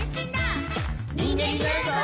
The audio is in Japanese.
「にんげんになるぞ！」